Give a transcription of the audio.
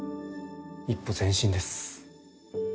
一歩前進です。